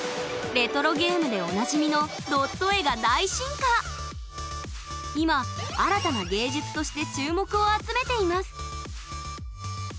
レトロゲームでおなじみの今新たな芸術として注目を集めています！